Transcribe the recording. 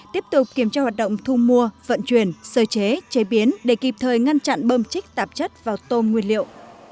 tiếp tục kiểm tra hoạt động thu mua vận chuyển sơ chế chế biến để kịp thời ngăn chặn bơm chích tạp chất vào tôm nguyên liệu